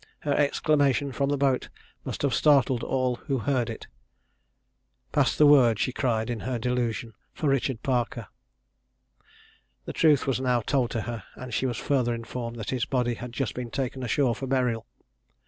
Her exclamation from the boat must have startled all who heard it. "Pass the word," she cried, in her delusion, "for Richard Parker!" The truth was now told to her, and she was further informed that his body had just been taken ashore for burial.